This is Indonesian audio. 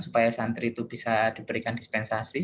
supaya santri itu bisa diberikan dispensasi